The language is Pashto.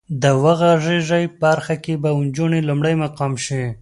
د وغږېږئ برخه کې به انجونې لومړی مقام شي.